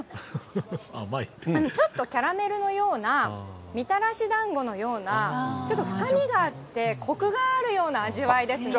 ちょっとキャラメルのような、みたらしだんごのような、ちょっと深みがあって、こくがあるような味わいですね。